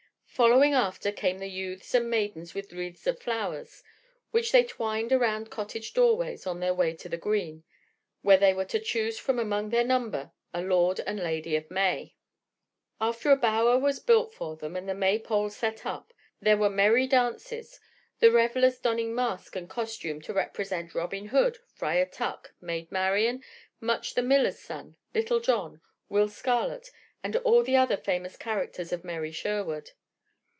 Following after came the youths and maidens with wreaths of flowers, which they twined around cottage doorways on their way to the green, where they were to choose from among their number a Lord and Lady of May. After a bower was built for them and the May pole set up, there were merry dances, the revellers donning mask and costume to represent Robin Hood, Friar Tuck, Maid Marian, Much the Miller's Son, Little John, Will Scarlet and all the other famous characters of merry Sherwood.